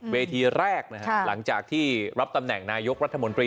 เวทีแรกนะฮะหลังจากที่รับตำแหน่งนายกรัฐมนตรี